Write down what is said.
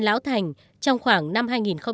lão thành trong khoảng năm